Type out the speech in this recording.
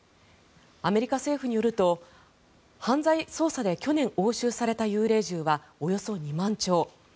アメリカ政府によると犯罪捜査で去年、押収された幽霊銃はおよそ２万丁。